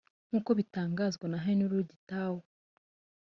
nk’uko bitangazwa na Henry Gitau